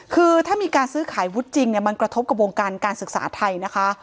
คือถ้ามีการซื้อขายวุฒิจริงเนี่ยมันกระทบกับวงการการศึกษาไทยนะคะ